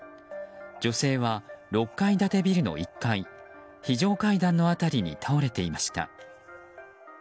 女性は６階建てビルの１階非常階段の辺りに倒れていました。